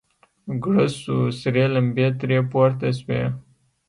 ګړز سو سرې لمبې ترې پورته سوې.